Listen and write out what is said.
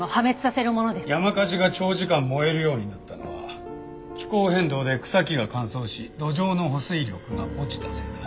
山火事が長時間燃えるようになったのは気候変動で草木が乾燥し土壌の保水力が落ちたせいだ。